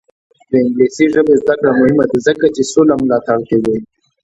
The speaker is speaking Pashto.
د انګلیسي ژبې زده کړه مهمه ده ځکه چې سوله ملاتړ کوي.